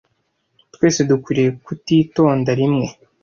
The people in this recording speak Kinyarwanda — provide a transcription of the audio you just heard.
Twese dukwiriye kutitonda rimwe